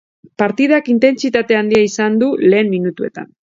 Partidak intentsitate handia izan du lehen minutuetan.